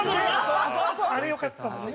あれ良かったですよね。